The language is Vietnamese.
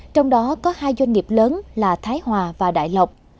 trong đó có hai doanh nghiệp lớn là thái hòa và đại lộc